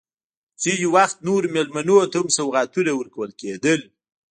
ځینې وخت نورو مېلمنو ته هم سوغاتونه ورکول کېدل.